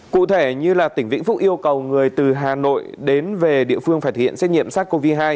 cụ thể như tỉnh vĩnh phúc yêu cầu người từ hà nội đến về địa phương phải hiện xét nghiệm sars cov hai